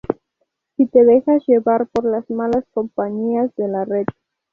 si te dejas llevar por las malas compañías de la Red.